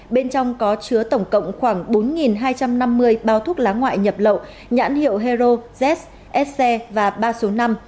bên trong có chứa tổng cộng khoảng bốn hai trăm năm mươi bao thuốc lá ngoại nhập lậu nhãn hiệu hero z s x và ba số năm